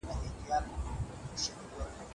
هغه وويل چي پاکوالی مهم دی!!